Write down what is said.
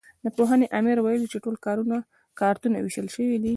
د پوهنې امر ویل چې ټول کارتونه وېشل شوي دي.